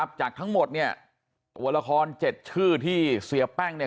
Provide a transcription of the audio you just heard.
ดับจากทั้งหมดเนี่ยวลลคอน๗ชื่อเสียบแป้งเนี่ย